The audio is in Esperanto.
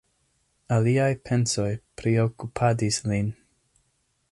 Aliaj pensoj priokupadis lin.